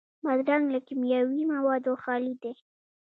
بادرنګ له کیمیاوي موادو خالي دی.